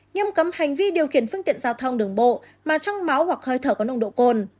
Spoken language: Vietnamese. nghiêm cấm hành vi điều khiển phương tiện giao thông đường bộ mà trong máu hoặc hơi thở có nồng độ cồn